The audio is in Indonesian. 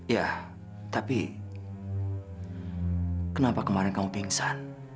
ya tapi kenapa kemarin kamu pingsan